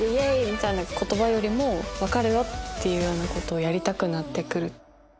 みたいな言葉よりも分かるよっていうようなことをやりたくなって来る。